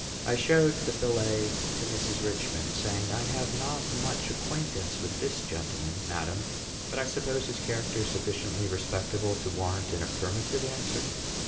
I showed the billet to Mrs. Richman, saying, "I have not much acquaintance with this gentleman, madam; but I suppose his character sufficiently respectable to warrant an affirmative answer."